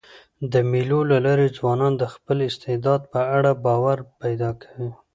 د مېلو له لاري ځوانان د خپل استعداد په اړه باور پیدا کوي.